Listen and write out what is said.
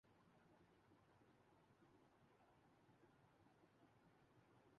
اپنے سے لگائی گئی امیدوں سے بہترکام کرتا ہوں